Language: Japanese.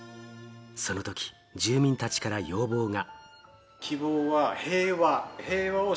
その時、住民たちから要望が。